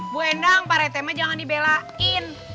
bu endang parete mah jangan dibelain